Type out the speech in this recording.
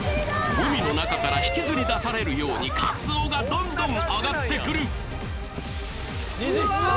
海の中から引きずり出されるようにカツオがどんどん揚がってくる虹！